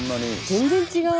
全然違う！